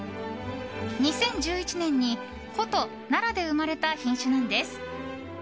２０１１年に古都・奈良で生まれた品種なんです。